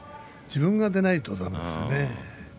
自分が出ないとだめですね。